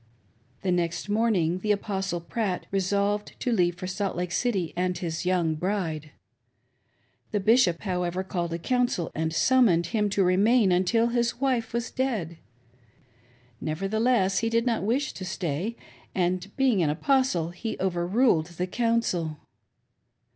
The next morning, the Apostle Pratt resolved to leave for Salt Lake City and his young bride. The Bishop, however, called a council and summoned him to remain until his wife was dead. Nevertheless he did not wish to stay, and, being an Apostle, he overruled the council.